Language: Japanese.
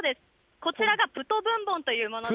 こちらがプト・ブンボンというもので。